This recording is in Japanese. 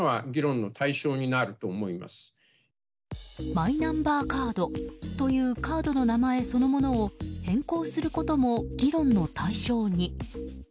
マイナンバーカードというカードの名前そのものを変更することも議論の対象に。